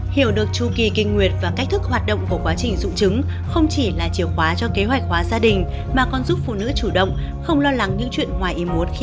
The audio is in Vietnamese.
hiểu được chu kỳ kinh nguyệt và cách thức hoạt động của quá trình dung trứng không chỉ là chìa khóa cho kế hoạch hóa gia đình mà còn giúp phụ nữ chủ động không lo lắng những chuyện ngoài ý muốn khi quan hệ tình dục